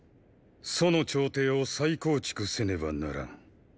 楚の朝廷を再構築せねばならん。